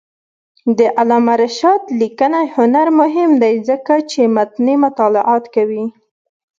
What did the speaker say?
د علامه رشاد لیکنی هنر مهم دی ځکه چې متني مطالعات کوي.